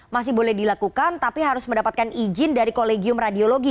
masih boleh dilakukan tapi harus mendapatkan izin dari kolegium radiologi